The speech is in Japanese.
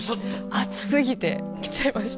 熱過ぎてきちゃいました。